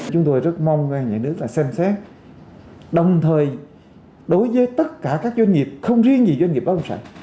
chúng tôi rất mong ngành ngân hàng xem xét đồng thời đối với tất cả các doanh nghiệp không riêng gì doanh nghiệp báo công sản